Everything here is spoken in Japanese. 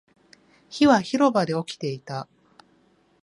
火は広場で起きていた